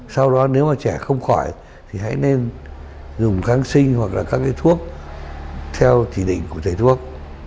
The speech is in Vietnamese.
sau đó nếu mà trẻ không khỏi thì hãy nên dùng kháng sinh hoặc là các cái thuốc theo chỉ định của thầy thuốc